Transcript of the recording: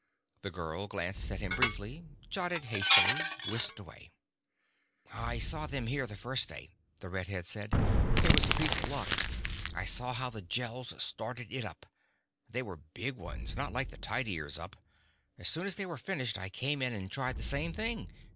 The girl glanced at him briefly, jotted hastily, whisked away. "I saw them here the first day," the red head said. "It was a piece of luck. I saw how the Gels started it up. They were big ones not like the tidiers up. As soon as they were finished, I came in and tried the same thing.